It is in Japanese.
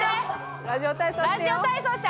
ラジオ体操して！